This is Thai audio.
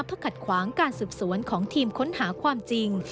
เพื่อขัดขวางการสืบสวนของทีมค้นหาความจริง